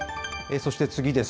そして次です。